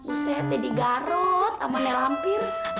uset jadi garot sama nelampir